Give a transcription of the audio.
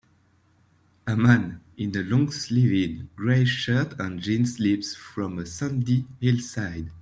A man in a longsleeved gray shirt and jeans leaps from a sandy hillside.